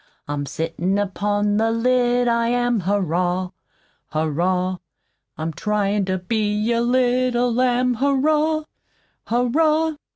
I'm sittin' upon the lid, I am, Hurrah! Hurrah! I'm tryin' to be a little lamb, Hurrah! Hurrah!